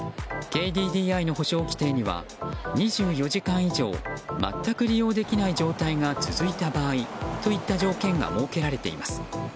ＫＤＤＩの補償規定には２４時間以上全く利用できない状態が続いた場合といった条件が設けられています。